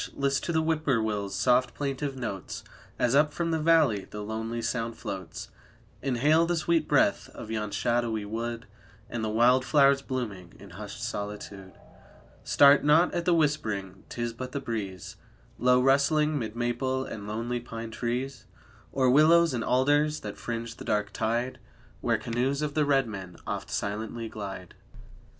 list to the Whip poor will's soft plaintive notes, As up from the valley the lonely sound floats, Inhale the sweet breath of yon shadowy wood And the wild flowers blooming in hushed solitude. Start not at the whispering, 'tis but the breeze, Low rustling, 'mid maple and lonely pine trees, Or willows and alders that fringe the dark tide Where canoes of the red men oft silently glide.